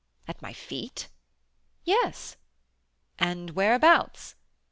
"At my feet?" "Yes." "And whereabouts?"